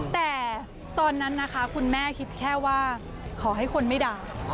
แต่ตอนนั้นนะคะคุณแม่คิดแค่ว่าขอให้คนไม่ด่า